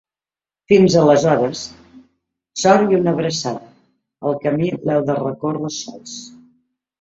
Fins aleshores, sort i una abraçada, el camí l’heu de recórrer sols.